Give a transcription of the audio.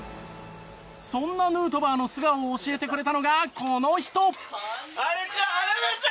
そんなヌートバーの素顔を教えてくれたのがこの人。